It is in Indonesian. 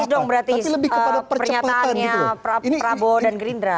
terus dong berarti pernyataannya prabowo dan gerindra